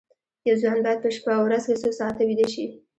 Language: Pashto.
یو ځوان باید په شپه او ورځ کې څو ساعته ویده شي